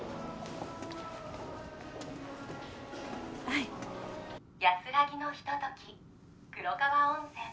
はいやすらぎのひととき黒川温泉